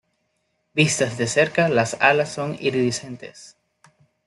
Vistas de cerca, las alas son iridiscentes.